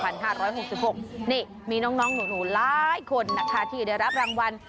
นี่มีน้องหนูหลายคนนะคะที่ได้รับรางวัล